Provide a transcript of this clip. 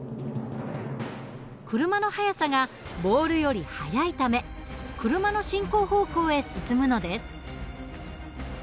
車の速さがボールより速いため車の進行方向へ進むのです。